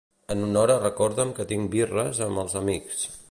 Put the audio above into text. En una hora recorda'm que tinc birres amb els amics.